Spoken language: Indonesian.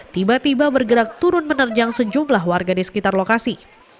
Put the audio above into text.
tiba tiba bergerak turun menerjang sejumlah warga di sekitar lokasi